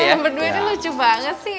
nomor dua ini lucu banget sih